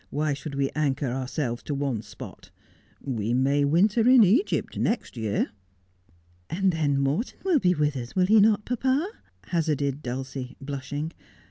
Why should we anchor ourselves to one spot 1 We may winter in Egypt next year.' ' And then Morton will be with us, will he not, papa ?' hazarded Dulcie, blushing.